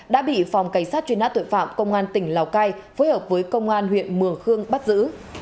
đã bị phòng cảnh sát truy nã tội phạm công an tỉnh lào cai phối hợp với công an huyện mường khương bắt giữ